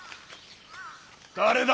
誰だ？